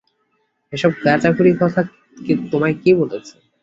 এসব গাঁজাখুরি কথা তোমায় কে বলেছে?